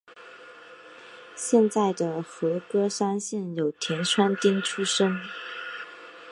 现在的和歌山县有田川町出身。